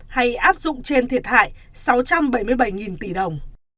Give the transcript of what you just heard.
hay áp dụng trên thiệt hại sáu trăm bảy mươi bảy tỷ đồng